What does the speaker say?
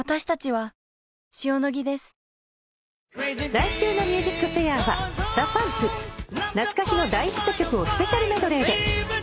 来週の『ＭＵＳＩＣＦＡＩＲ』はＤＡＰＵＭＰ懐かしの大ヒット曲をスペシャルメドレーで。